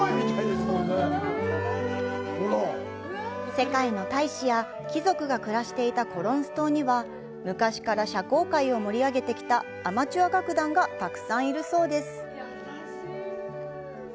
世界の大使や貴族が暮らしていたコロンス島には、昔から社交界を盛り上げてきたアマチュア楽団がたくさんいるそうです。